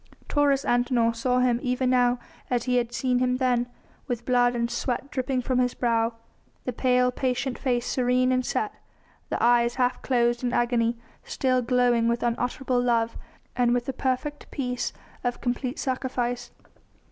Taurus Antinor saw Him even now as he had seen Him then, with blood and sweat dripping from His brow, the pale, patient face serene and set, the eyes half closed in agony still glowing with unutterable love and with the perfect peace of complete sacrifice.